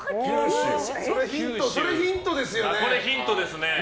それヒントですよね。